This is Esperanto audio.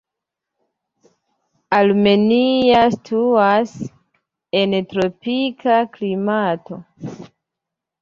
Armenia situas en tropika klimato.